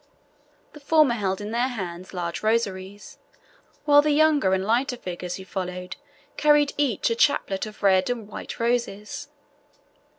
The former held in their hands large rosaries, while the younger and lighter figures who followed carried each a chaplet of red and white roses.